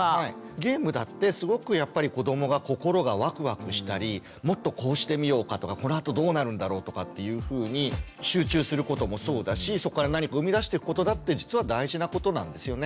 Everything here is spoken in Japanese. ゲームだってすごくやっぱり子どもが心がワクワクしたりもっとこうしてみようかとかこのあとどうなるんだろうとかっていうふうに集中することもそうだしそこから何かを生み出してくことだって実は大事なことなんですよね。